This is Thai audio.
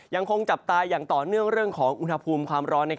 ยังคงจับตาอย่างต่อเนื่องเรื่องของอุณหภูมิความร้อน